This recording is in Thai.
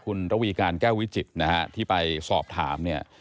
คุณระวีการแก้ววิจิตรนะฮะที่ไปสอบถามเนี่ย